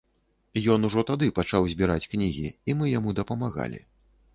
Ён ужо тады пачаў збіраць кнігі, і мы яму дапамагалі.